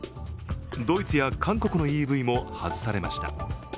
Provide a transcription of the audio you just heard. ドイツや韓国のＥＶも外されました。